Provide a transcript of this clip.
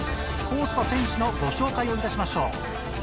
コースと選手のご紹介をいたしましょう。